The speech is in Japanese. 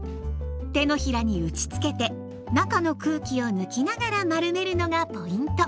手のひらに打ちつけて中の空気を抜きながら丸めるのがポイント。